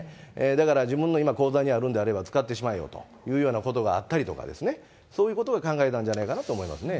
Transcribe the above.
だから自分の今、口座にあるんであれば、使ってしまえよというようなことがあったりとかですね、そういうことを考えたんじゃないかと思いますね。